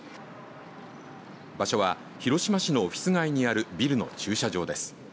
場所は広島市のオフィス街にあるビルの駐車場です。